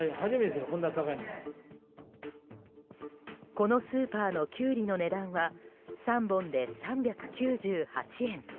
このスーパーのキュウリの値段は３本で３９８円。